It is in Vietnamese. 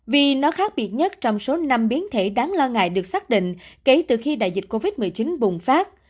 vì nó khác biệt nhất trong số năm biến thể đáng lo ngại được xác định kể từ khi đại dịch covid một mươi chín bùng phát